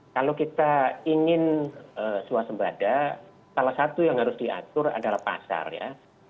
kalau kita ingin suasembada salah satu yang harus diatur adalah pasar ya